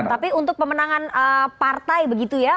tapi untuk pemenangan partai begitu ya